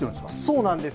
そうなんです。